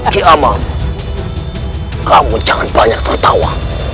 kiamam kamu jangan banyak tertawa